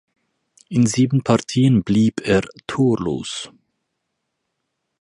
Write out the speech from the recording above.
In sieben Partien blieb er Torlos.